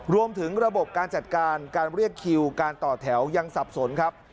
รวมถึงระบบการจัดการการเรียกคิวการต่อแถวยังสับสนครับ